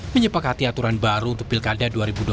menyepakati aturan baru untuk pilkada dua ribu dua puluh